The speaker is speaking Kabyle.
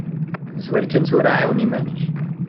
Zwir kan tura ɛiwen iman-ik.